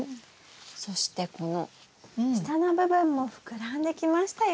そしてこの下の部分も膨らんできましたよ。